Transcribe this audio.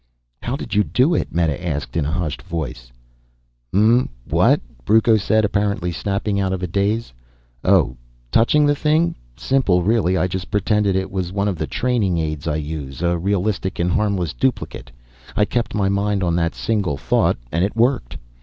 "How did you do it?" Meta asked in a hushed voice. "Hm m m, what?" Brucco said, apparently snapping out of a daze. "Oh, touching the thing. Simple, really. I just pretended it was one of the training aids I use, a realistic and harmless duplicate. I kept my mind on that single thought and it worked."